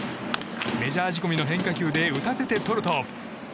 メジャー仕込みの変化球で打たせてとると。